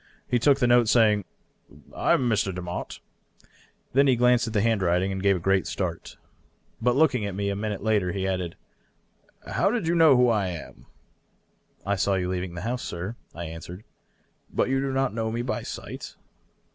He took the note, saying, " I am Mr. Demotte." Then he glanced at the handwriting, and gave a great start. But looking at me a minute later, he added, " How did you know who I am ?"" I saw you leave the house, sir," I answered. " But you do not know me by sight